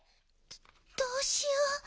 どうしよう。